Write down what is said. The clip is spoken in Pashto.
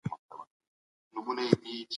تقوا د فضیلت یوازینی معیار دی.